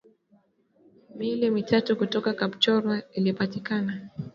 Miili mitatu kutoka Kapchorwa ilipatikana